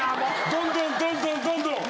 どんどんどんどんどんどん！